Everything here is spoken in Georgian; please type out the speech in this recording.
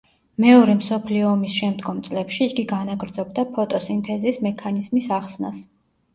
მეორე მსოფლიო ომის შემდგომ წლებში იგი განაგრძობდა ფოტოსინთეზის მექანიზმის ახსნას.